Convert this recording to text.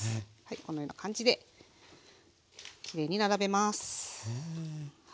このような感じできれいに並べます。